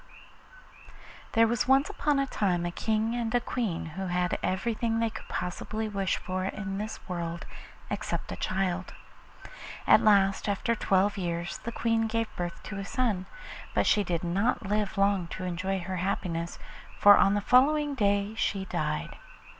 There was once upon a time a King and Queen who had everything they could possibly wish for in this world except a child. At last, after twelve years, the Queen gave birth to a son; but she did not live long to enjoy her happiness, for on the following day she died.